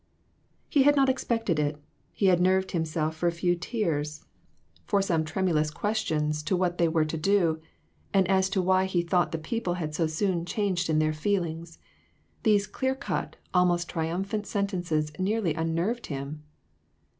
He had not expected it ; he had nerved himself for a few tears, for some tremulous questions as INTUITIONS. 4OI to what they were to do, and as to why he thought the people had so soon changed in their feelings ; these clear cut, almost triumphant, sen tences nearly unnerved him.